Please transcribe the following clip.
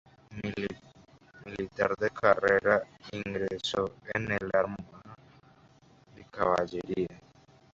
Militar de carrera, ingresó en el arma de Caballería.